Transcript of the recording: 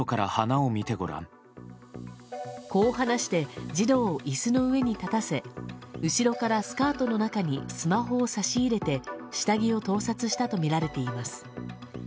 こう話して児童を椅子の上に立たせ後ろからスカートの中にスマホを差し入れて下着を盗撮したとみられています。